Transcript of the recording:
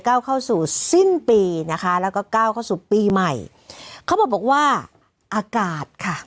เข้าสู่สิ้นปีนะคะแล้วก็ก้าวเข้าสู่ปีใหม่เขาบอกว่าอากาศค่ะ